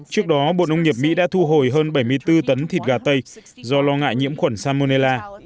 trước đó bộ nông nghiệp mỹ đã thu hồi hơn bảy mươi bốn tấn thịt gà tây do lo ngại nhiễm khuẩn salmonella